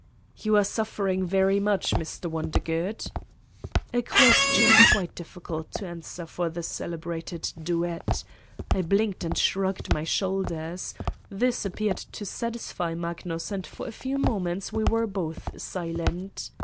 "You are suffering very much, Mr. Wonder good V a question quite difficult to answer for the celebrated duet! I blinked and shrugged my shoulders. This appeared to satisfy Magnus and for a few moments we were both silent.